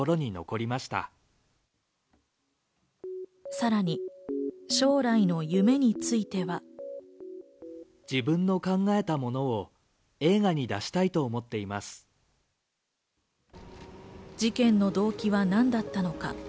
さらに、将来の夢については。事件の動機は何だったのか？